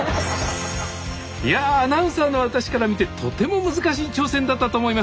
いやアナウンサーの私から見てとても難しい挑戦だったと思います。